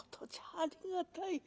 ありがたい」。